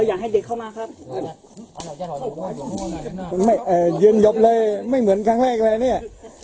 อยากให้เด็กเข้ามาครับยืนหยบเลยไม่เหมือนครั้งแรกเลยเนี่ย